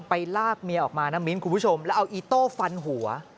ลากเมียออกมานะมิ้นคุณผู้ชมแล้วเอาอีโต้ฟันหัว